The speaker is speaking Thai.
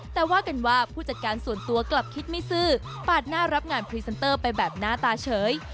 แต่ว่ากันว่าผู้จัดการส่วนตัวกลับคิดไม่ซื้อปาดหน้ารับงานพรีเซนเตอร์ไปแบบหน้าตาเฉย